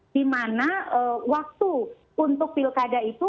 dimana waktu untuk pilkada itu